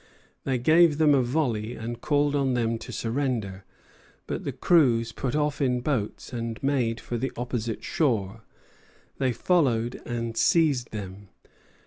They gave them a volley, and called on them to surrender; but the crews put off in boats and made for the opposite shore. They followed and seized them.